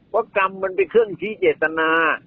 กรรมมันเป็นเครื่องชี้เจตนา